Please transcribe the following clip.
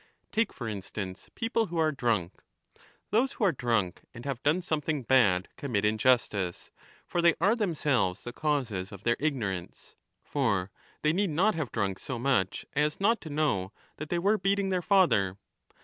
Take for instance people who are drunk. Those who are drunk and have done something bad commit injustice. For they are themselves the causes of their ignorance. For they need not have drunk so much as not to know that they were beating their father.